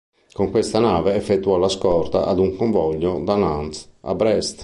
Con questa nave effettuò la scorta ad un convoglio da Nantes a Brest.